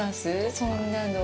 そんなの。